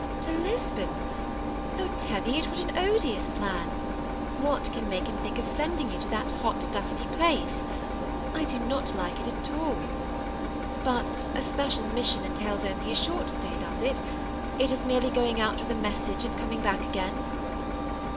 ^' To Lisbon I Oh, Teviot, what an odious plan ! What can make him think of sending you to that hot, dusty .place ? I do not like it at all. But a special mission entails only a short stay, does it ? It is merely going oi|^ with a message and coming back again